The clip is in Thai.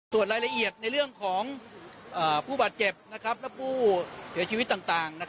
ส่วนรายละเอียดในเรื่องของผู้บาดเจ็บและผู้เสียชีวิตต่าง